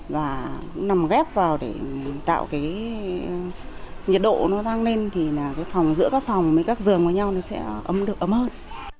và nằm ghép vào để tạo cái nhiệt độ nó đang lên thì là cái phòng giữa các phòng với các giường với nhau nó sẽ ấm được ấm hơn